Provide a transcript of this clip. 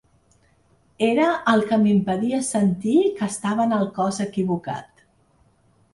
Era el que m’impedia sentir que estava en el cos equivocat.